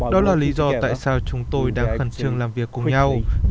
đó là lý do tại sao chúng tôi đang khẩn trương làm việc cùng nhau để nhanh chóng